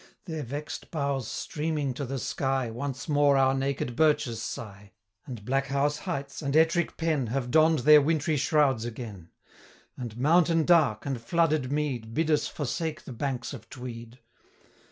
Their vex'd boughs streaming to the sky, 35 Once more our naked birches sigh, And Blackhouse heights, and Ettrick Pen, Have donn'd their wintry shrouds again: And mountain dark, and flooded mead, Bid us forsake the banks of Tweed.